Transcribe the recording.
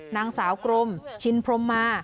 นางสาวกรมชินพรมมา